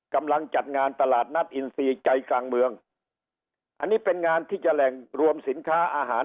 จัดงานตลาดนัดอินซีใจกลางเมืองอันนี้เป็นงานที่จะแหล่งรวมสินค้าอาหาร